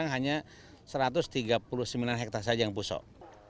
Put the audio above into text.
hanya satu ratus tiga puluh sembilan hektare saja yang busok